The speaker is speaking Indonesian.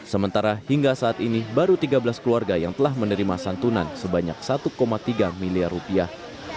sementara hingga saat ini baru tiga belas keluarga yang telah menerima santunan sebanyak satu tiga miliar rupiah